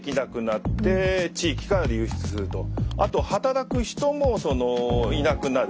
結局あと働く人もそのいなくなる。